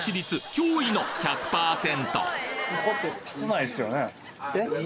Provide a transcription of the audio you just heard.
驚異の１００％